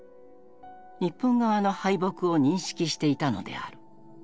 日本側の敗北を認識していたのである。